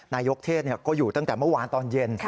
นายกเทศก็อยู่ตั้งแต่เมื่อวานตอนเย็น